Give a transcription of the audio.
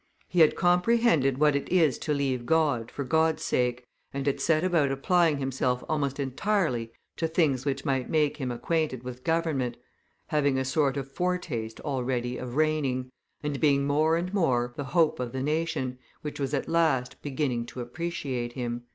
"He had comprehended what it is to leave God for God's sake, and had set about applying himself almost entirely to things which might make him acquainted with government, having a sort of foretaste already of reigning, and being more and more the hope of the nation, which was at last beginning to appreciate him."